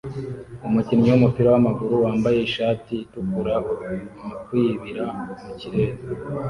Umukinnyi wumupira wamaguru wambaye ishati itukura mukwibira mukirere